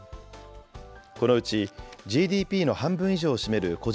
このうちＧＤＰの半分以上を占める個人